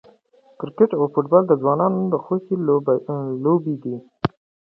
کرکټ او فوټبال د ځوانانو خوښې لوبې دي.